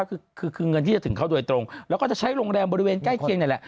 คือคือเงินที่จะถึงเขาโดยตรงแล้วก็จะใช้โรงแรมบริเวณใกล้เคียงนี่แหละ